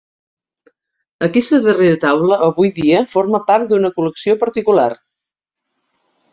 Aquesta darrera taula avui dia forma part d'una col·lecció particular.